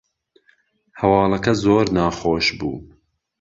هەواڵەکە زۆر ناخۆش بوو